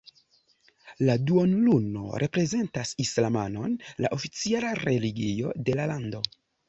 La duonluno reprezentas Islamon, la oficiala religio de la lando.